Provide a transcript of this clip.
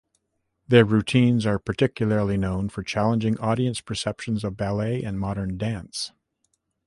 Their routines are particularly known for challenging audience perceptions of ballet and modern dance.